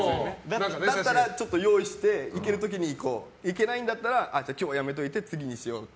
だったら用意していける時にいこういけないんだったら今日やめといて次にしようって。